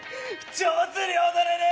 上手に踊れねえ！